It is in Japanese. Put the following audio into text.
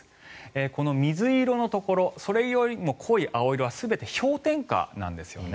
この水色のところそれよりも濃い青色は全て氷点下なんですよね。